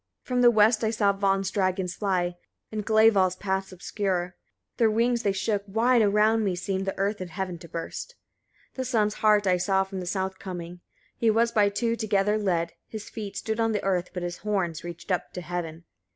54. From the west I saw Von's dragons fly, and Glæval's paths obscure: their wings they shook; wide around me seemed the earth and heaven to burst. 55. The sun's hart I saw from the south coming, he was by two together led: his feet stood on the earth, but his horns reached up to heaven.